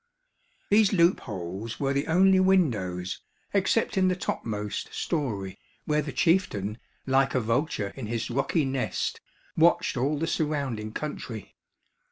These loopholes were the only windows, except in the topmost story, where the chieftain, like a vulture in his rocky nest, watched all the surrounding country.